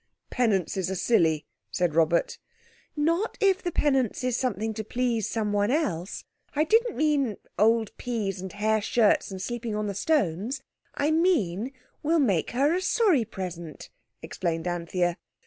"Penances are silly," said Robert. "Not if the penance is something to please someone else. I didn't mean old peas and hair shirts and sleeping on the stones. I mean we'll make her a sorry present," explained Anthea.